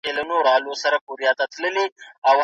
چې مې زړه وي تر هغو درپسې ژاړم